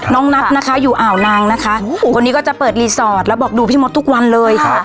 น้องนัทนะคะอยู่อ่าวนางนะคะคนนี้ก็จะเปิดรีสอร์ทแล้วบอกดูพี่มดทุกวันเลยค่ะ